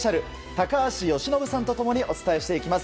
高橋由伸さんと共にお伝えしていきます。